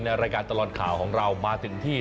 รายการตลอดข่าวของเรามาถึงที่